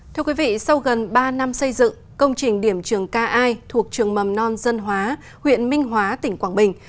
thưa quý vị sau gần ba năm xây dựng công trình điểm trường k i thuộc trường mầm non dân hóa huyện minh hóa tỉnh quảng bình